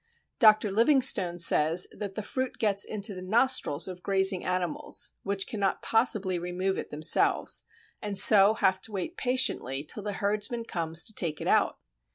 Dr. Livingstone says that the fruit gets into the nostrils of grazing animals which cannot possibly remove it themselves, and so have to wait patiently till the herdsman comes to take it out.